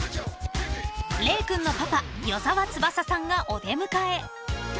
［れい君のパパ与沢翼さんがお出迎え］